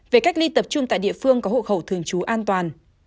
về cách ly tập trung tại địa phương có hộ khẩu thường trú an toàn